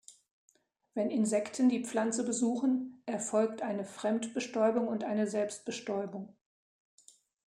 Wenn Insekten die Pflanze besuchen, erfolgt eine Fremdbestäubung und eine Selbstbestäubung.